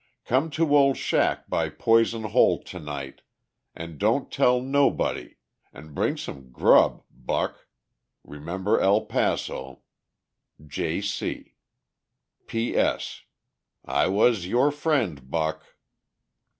Come to old shack by Poison hole tonight & dont tell nobody & bring sum grub Buck remember El paso. "j.c. "p.s. I was yore freind buck."